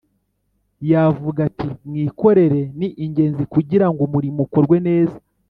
yesvuga ati: “mwikorere ni ingenzi kugira ngo umurimo ukorwe neza